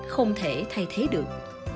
không thể thay thế được